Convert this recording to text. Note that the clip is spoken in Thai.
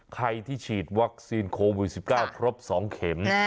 ใครที่ฉีดวัคซีนโควิดสิบเก้าครบสองเข็มแน่